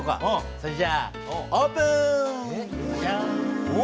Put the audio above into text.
それじゃあオープン。